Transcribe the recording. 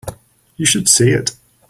You should see it.